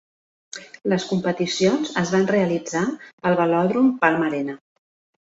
Les competicions es van realitzar al velòdrom Palma Arena.